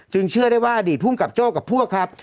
จึงเชื่อได้ว่าอดีตพุ่งกับโจ้กับพวก